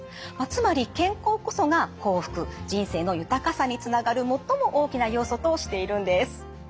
つまり健康こそが幸福人生の豊かさにつながる最も大きな要素としているんです。